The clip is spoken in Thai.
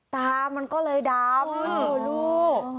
ตามันก็เลยดำลูก